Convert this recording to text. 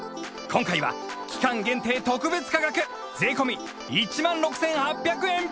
今回は期間限定特別価格税込１万６８００円